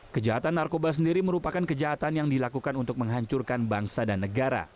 kejahatan narkoba sendiri merupakan kejahatan yang dilakukan untuk menghancurkan bangsa dan negara